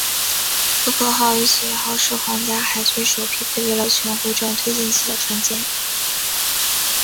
厄科号与企业号是皇家海军首批配备了全回转推进器的船舰。